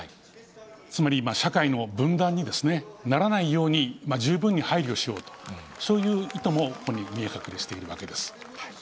つまり、社会の分断にならないように、十分に配慮しようと、そういう意図もここに見え隠れしているわけです。